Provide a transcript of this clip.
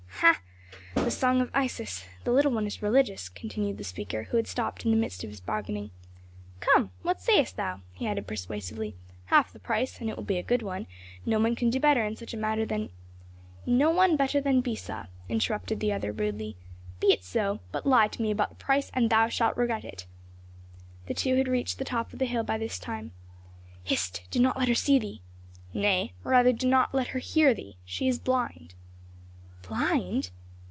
"Ha! The song of Isis! The little one is religious," continued the speaker, who had stopped in the midst of his bargaining. "Come! What sayest thou?" he added persuasively. "Half the price and it will be a good one no one can do better in such a matter than " "No one better than Besa," interrupted the other rudely. "Be it so; but lie to me about the price and thou shalt regret it." The two had reached the top of the hill by this time. "Hist! Do not let her see thee." "Nay, rather, do not let her hear thee; she is blind." "Blind?"